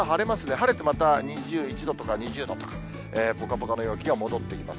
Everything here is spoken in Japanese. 晴れてまた２１度とか、２０度とか、ぽかぽかの陽気が戻ってきます。